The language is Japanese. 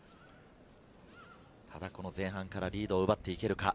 ただ、この前半からリードを奪っていけるか？